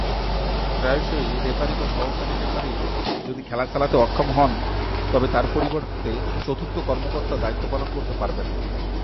প্রায়শই, রেফারি বা সহকারী রেফারি যদি খেলা চালাতে অক্ষম হন তবে তার পরিবর্তে চতুর্থ কর্মকর্তা দায়িত্ব পালন করতে পারবেন।